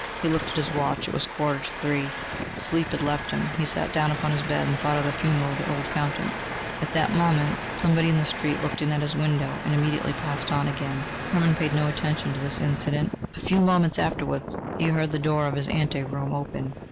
He looked at his watch: it was a quarter to three. Sleep had left him; he sat down upon his bed and thought of the funeral of the old Countess. At that moment somebody in the street looked in at his window, and immediately passed on again. Hermann paid no attention to this incident. A few moments afterwards he heard the door of his ante room open.